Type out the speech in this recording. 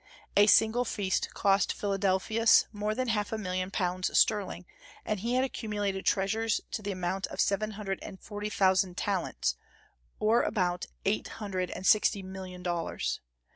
A single feast cost Philadelphus more than half a million of pounds sterling, and he had accumulated treasures to the amount of seven hundred and forty thousand talents, or about eight hundred and sixty million dollars.